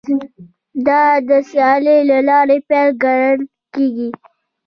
دا د سیالۍ د لارې پیل ګڼل کیږي